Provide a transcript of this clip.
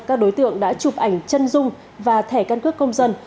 các đối tượng đã chụp ảnh chân dung và thẻ căn cước công dân